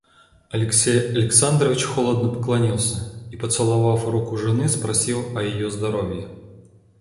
Алексей Александрович холодно поклонился и, поцеловав руку жены, спросил о ее здоровье.